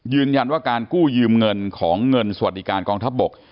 ยืนยันว่าการกู้ยืมเงินของเงินสวัสดิการกองทัพบก